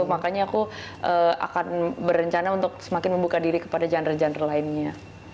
makanya aku akan berencana untuk semakin membuka diri kepada genre genre lainnya